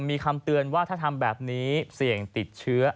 มีคำเตือนว่าถ้าทำแบบนี้เสี่ยงติดเชื้อ